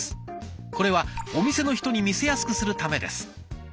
これはお店の人に見せやすくするためです。